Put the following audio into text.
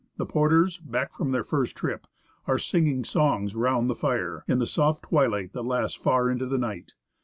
The porters, back from their first trip, are singing songs round the fire, in the soft twilight that lasts far into the nio ht.